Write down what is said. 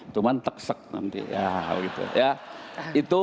cuman teksek nanti